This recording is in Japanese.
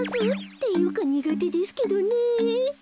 っていうかにがてですけどねえ。